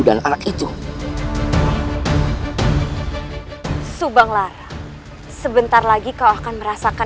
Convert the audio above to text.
menyentuh tangan putramu untuk terakhirkan